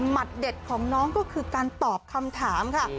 เด็ดของน้องก็คือการตอบคำถามค่ะ